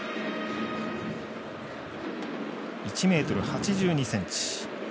１ｍ８２ｃｍ。